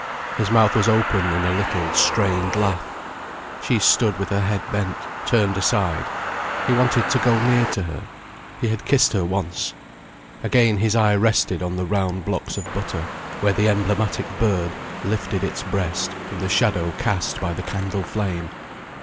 His mouth was open in a little, strained laugh. She stood with her head bent, turned aside. He wanted to go near to her. He had kissed her once. Again his eye rested on the round blocks of butter, where the emblematic bird lifted its breast from the shadow cast by the candle flame.